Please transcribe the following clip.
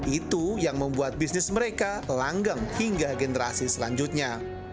itu yang membuat bisnis mereka langgeng hingga generasi selanjutnya